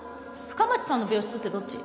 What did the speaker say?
深町さんの病室ってどっち？